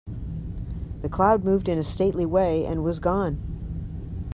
The cloud moved in a stately way and was gone.